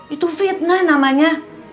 itu fitnah namanya